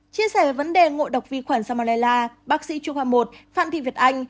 chia sẻ về vấn đề ngộ độc vi khuẩn salmonella bác sĩ trung hoa i phạm thị việt anh